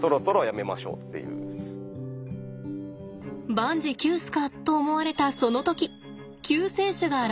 万事休すか？と思われたその時救世主が現れます。